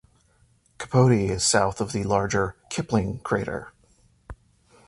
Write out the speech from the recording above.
Capote is south of the larger Kipling crater.